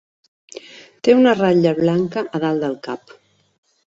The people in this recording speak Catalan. Té una ratlla blanca a dalt del cap.